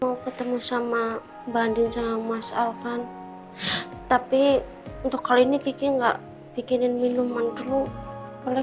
mau ketemu sama banding sama mas alvan tapi untuk kali ini bikin minuman dulu boleh